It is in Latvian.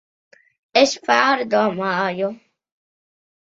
Es pārdomāju.